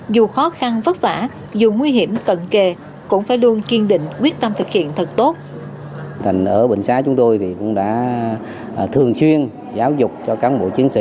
dù khó khăn vất vả dù nguy hiểm cận kề cũng phải luôn kiên định quyết tâm thực hiện thật tốt